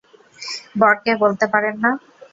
বরকে বলতে পারেন না?